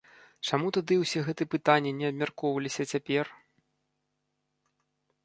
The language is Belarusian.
Чаму тады ўсе гэтыя пытанні не абмяркоўваліся цяпер?